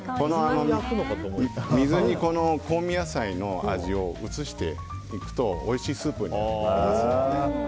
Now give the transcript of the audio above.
水に香味野菜の味を移していくとおいしいスープになりますので。